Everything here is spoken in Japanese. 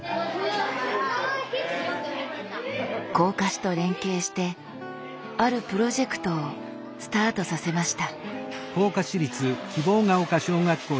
甲賀市と連携してあるプロジェクトをスタートさせました。